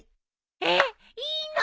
えっいいの？